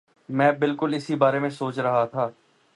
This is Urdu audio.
میں بالکل اسی بارے میں سوچ رہا تھا